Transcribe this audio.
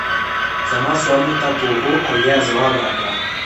زما سوالونو ته په هو او یا ځواب راکړه